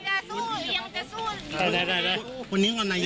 แล้วหากเขาไม่เชิญเราร่วมนะคะก็สมมุติจะเป็นฝ่ายค้าทีไหมคะ